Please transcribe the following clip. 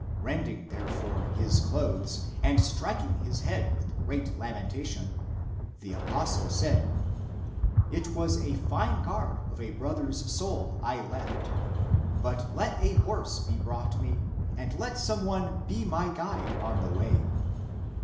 Rending there fore, his clothes, and striking his head with great lamentation, the apostle said, " It was a fine guard of a brother's soul I left! But let a horse be brought me, and let some one be my guide on the way."